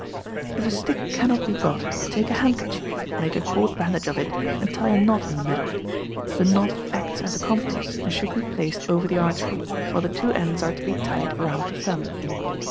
If a stick cannot be got, take a handkerchief, make a cord bandage of it, and tie a knot in the middle; the knot acts as a compress, and should be placed over the artery, while the two ends are to be tied around the thumb.